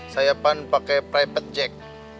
saya kan pakai private jet